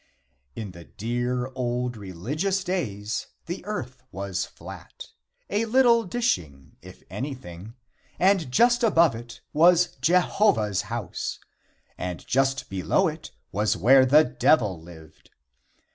V. In the dear old religious days the earth was flat a little dishing, if anything and just above it was Jehovah's house, and just below it was where the Devil lived.